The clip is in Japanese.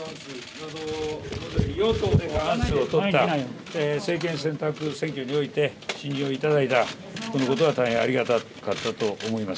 与党で過半数を取った、政権選択選挙において、信任を頂いた、このことは大変ありがたかったと思います。